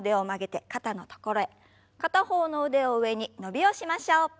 片方の腕を上に伸びをしましょう。